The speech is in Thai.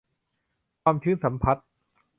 ความชื้นสัมพัทธ์